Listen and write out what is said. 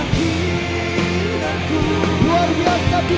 malam malam aku